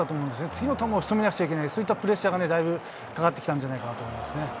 次の球をしとめなくちゃいけない、そういったプレッシャーがだいぶかかってきたんじゃないかなと思いますね。